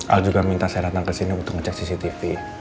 al juga minta saya datang ke sini untuk ngecek cctv